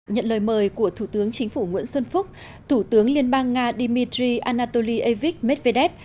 nhận lời mời của thủ tướng chính phủ nguyễn xuân phúc thủ tướng liên bang nga dmitry anatolyvich medvedev